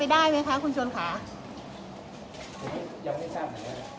อร่อยกว่าที่บ้านพระราชรัฐอร่อยกว่าที่บ้านพ